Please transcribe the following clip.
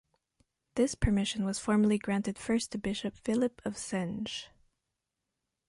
This permission was formally granted first to bishop Philip of Senj.